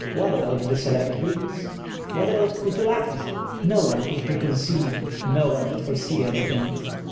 What about the select Greeks? What about Coutoulakis? No one could preconceive, no one could foresee anything.